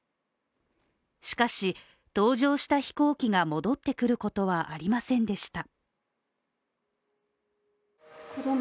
しかし、搭乗した飛行機が戻ってくることはありませんでした。